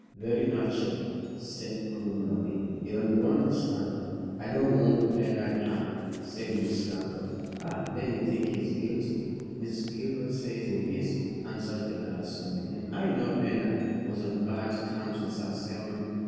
"Very natural," said Groom, nodding. "You don't want the scandal." "I don't want Bernard hanged," said Miss Randolph. "Ah! Then you think he is guilty." "Mrs. Gilroy says he is," answered the girl, sobbing, "and I know Bernard was on bad terms with Sir Simon.